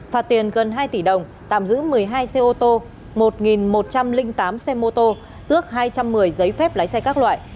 phạt tiền gần hai tỷ đồng tạm giữ một mươi hai xe ô tô một một trăm linh tám xe mô tô tước hai trăm một mươi giấy phép lái xe các loại